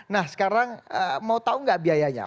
nah sekarang mau tahu nggak biayanya